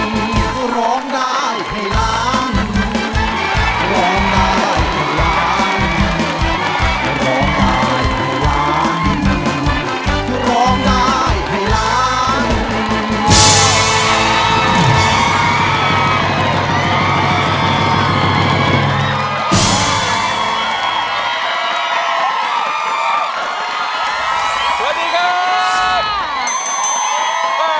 สวัสดีครับ